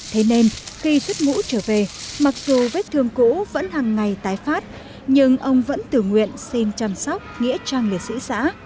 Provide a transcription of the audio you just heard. thế nên khi xuất ngũ trở về mặc dù vết thương cũ vẫn hàng ngày tái phát nhưng ông vẫn tự nguyện xin chăm sóc nghĩa trang liệt sĩ xã